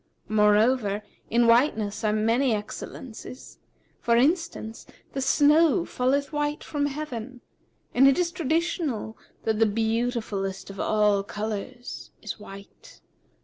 Moreover, in whiteness are many excellences; for instance, the snow falleth white from heaven, and it is traditional that the beautifullest of a colours white.